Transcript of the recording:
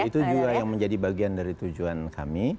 itu juga yang menjadi bagian dari tujuan kami